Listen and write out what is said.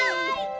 はい！